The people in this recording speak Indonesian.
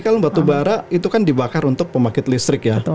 kalau batubara itu kan dibakar untuk pemakit listrik ya